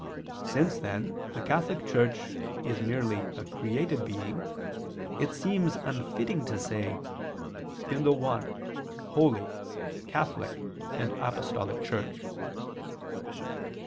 Since then the Catholic Church is merely a created being, it seems unfitting to say: "In the One, Holy, Catholic and Apostolic Church."